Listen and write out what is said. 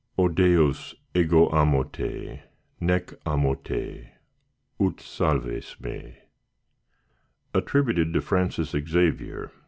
O DEUS, EGO AMO TE, NEC AMO TE, UT SALVES ME Attributed to Francis Xavier.